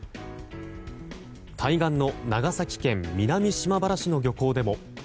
対岸の長崎県南島原市の漁港でも。